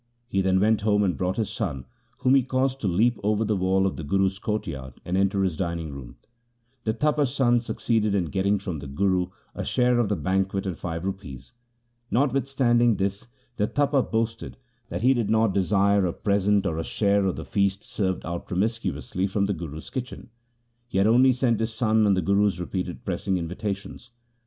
He then went home and brought his son, whom he caused to leap over the wall of the Guru's courtyard and enter his dining room. The Tapa's son succeeded in getting from the Guru a share of the banquet and five rupees. Notwithstanding this the Tapa boasted that he did not desire a present or a share of the feast served out promiscuously from the Guru's kitchen. He had only sent his son on the Guru's repeated pressing invitations.